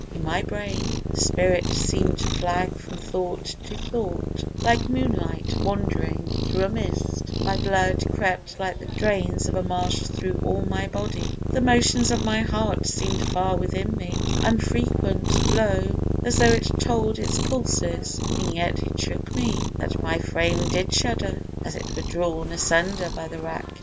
In my brain The spirit seem'd to flag from thought to thought, Like moonlight wandering through a mist: my blood Crept like the drains of a marsh thro' all my body; The motions of my heart seem'd far within me, Unfrequent, low, as tho' it told its pulses; And yet it shook me, that my frame did shudder, As it were drawn asunder by the rack.